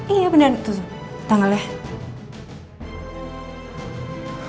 iya bener tuh tanggalnya